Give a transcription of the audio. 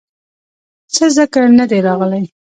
څۀ ذکر نۀ دے راغلے